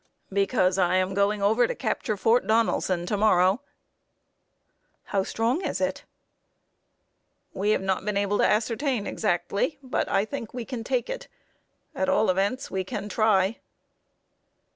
"Because I am going over to capture Fort Donelson to morrow." "How strong is it?" "We have not been able to ascertain exactly, but I think we can take it. At all events, we can try."